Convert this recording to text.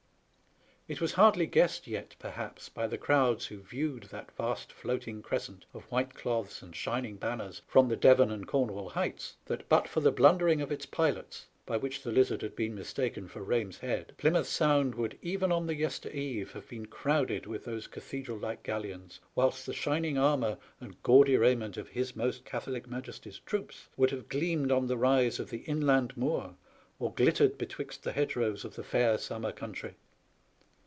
'* It was hardly guessed yet, perhaps, by the crowds 296 SPANISH ARMADA. who viewed that vast floating crescent of white cloths and shining banners from the Devon and Cornwall heights that, but for the blundering of its pilots, by which the Lizard had been mistaken for Bame*s Head, Plymouth Sound would even on the yester eve have been crowded with those cathedral like galleons, whilst the shining armour and gaudy raiment of His Most Catholic Majesty's troops would have gleamed on the rise of the inland moor, or glittered betwixt the hedge rows of the fair summer country.